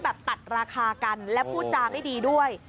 ตัดราคากันและพูดจาไม่ดีด้วย